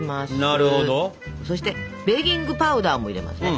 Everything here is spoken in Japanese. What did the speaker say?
そしてベーキングパウダーも入れますね。